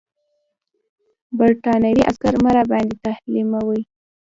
برټانوي عسکر مه راباندې تحمیلوه.